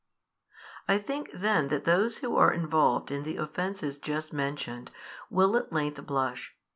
I think then that those who are involved in the offences just mentioned will at length blush.